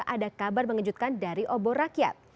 ada kabar mengejutkan dari obor rakyat